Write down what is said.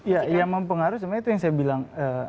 ya yang mempengaruhi sebenarnya itu yang saya bilang